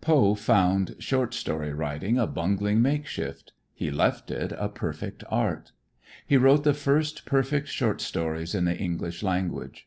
Poe found short story writing a bungling makeshift. He left it a perfect art. He wrote the first perfect short stories in the English language.